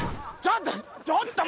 ちょっと。